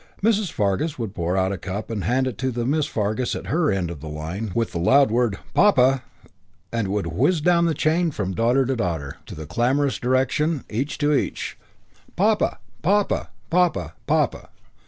Mrs. Fargus would pour out a cup and hand it to the Miss Fargus at her end of the line with the loud word "Papa!" and it would whiz down the chain from daughter to daughter to the clamorous direction, each to each, "Papa! Papa! Papa! Papa!"